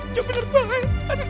itu bener bener baik